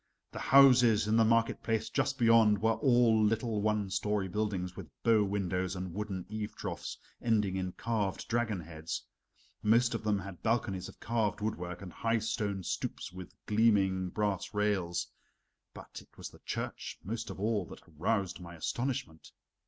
The houses in the market place just beyond were all little one story buildings with bow windows and wooden eave troughs ending in carved dragon heads. Most of them had balconies of carved woodwork, and high stone stoops with gleaming brass rails. But it was the church most of all that aroused my astonishment.